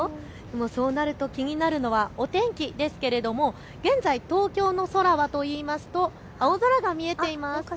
そうなると気になるのはお天気ですけれども現在、東京の空はといいますと青空が見えています。